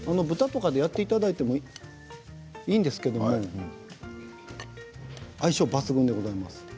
豚肉でやっていただいてもいいんですけれど牛肉と相性抜群でございます。